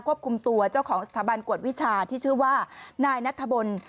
ควบคุมตัวเจ้าของสถาบันกวดวิชาที่ชื่อว่านายนัทบล